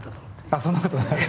あっそんなことない。